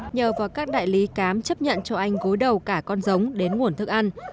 nhờ vào các đại lý cám chấp nhận cho anh gối đầu cả con giống đến nguồn thức ăn